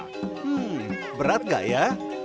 hmm berat nggak ya